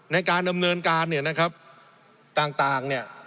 ในการดำเนินการเนี่ยนะครับต่างเนี่ย